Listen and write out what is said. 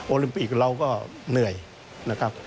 ลิมปิกเราก็เหนื่อยนะครับ